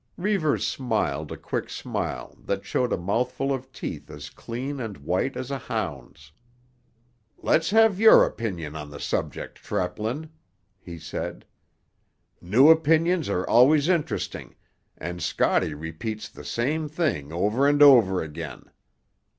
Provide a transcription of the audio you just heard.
Reivers smiled a quick smile that showed a mouthful of teeth as clean and white as a hound's. "Let's have your opinion on the subject, Treplin," he said. "New opinions are always interesting, and Scotty repeats the same thing over and over again.